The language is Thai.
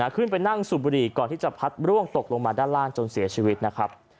ขึ้นไปนั่งสูบบุหรี่ก่อนที่จะพัดร่วงตกลงมาด้านล่างจนเสียชีวิตนะครับ